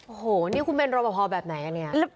โอ้โหนี่คุณเป็นรอปภแบบไหนอันนี้